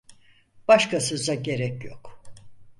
Başka söze gerek yok.